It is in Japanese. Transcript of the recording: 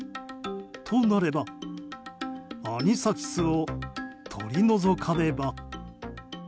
となればアニサキスを取り除かねば。